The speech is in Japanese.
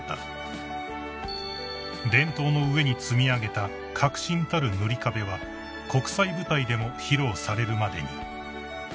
［伝統の上に積み上げた革新たる塗り壁は国際舞台でも披露されるまでに］